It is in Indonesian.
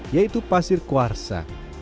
yaitu pasir kuarsa